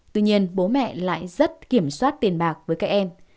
tuy nhiên bố mẹ lại rất kiểm soát tiền bạc với các em